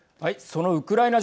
そのウクライナ